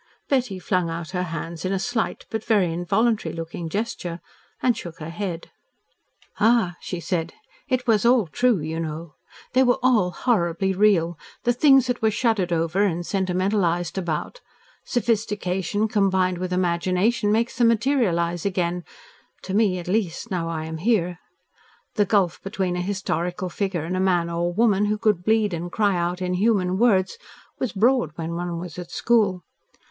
Betty flung out her hands in a slight, but very involuntary looking, gesture, and shook her head. "Ah!" she said, "it was all TRUE, you know. They were all horribly real the things that were shuddered over and sentimentalised about. Sophistication, combined with imagination, makes them materialise again, to me, at least, now I am here. The gulf between a historical figure and a man or woman who could bleed and cry out in human words was broad when one was at school.